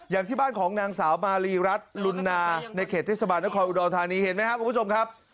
อย่างที่บ้านของนางสาวมารีรัฐลุนนาในเขตเทศบาลนครอุดรธานีเห็นไหมครับคุณผู้ชมครับ